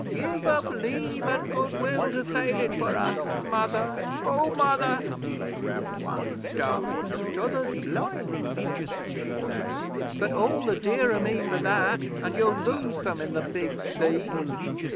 "Give 'em Leave an' Good will to sail it for us, Mother O Mother!" '"One's dumb, an' t'other's blind," she says. "But all the dearer me for that; and you'll lose them in the big sea."